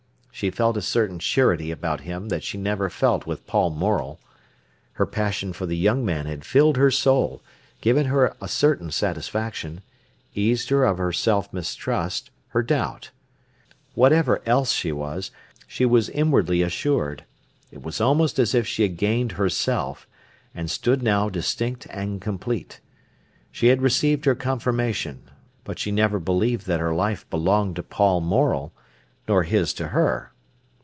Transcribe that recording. She felt a certain surety about him that she never felt with Paul Morel. Her passion for the young man had filled her soul, given her a certain satisfaction, eased her of her self mistrust, her doubt. Whatever else she was, she was inwardly assured. It was almost as if she had gained herself, and stood now distinct and complete. She had received her confirmation; but she never believed that her life belonged to Paul Morel, nor his to her.